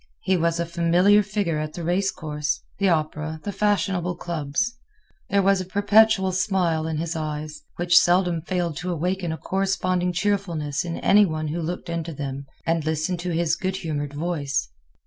He was a familiar figure at the race course, the opera, the fashionable clubs. There was a perpetual smile in his eyes, which seldom failed to awaken a corresponding cheerfulness in any one who looked into them and listened to his good humored voice.